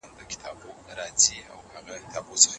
زوی بېرته کور ته راځي.